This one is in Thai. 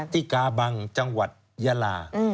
ที่กาบังจังหวัดยาลา